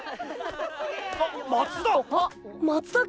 あっ松田！